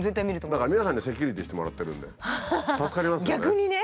だから皆さんにセキュリティーしてもらってるんで助かりますよね。